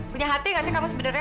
punya hati gak sih kamu sebenarnya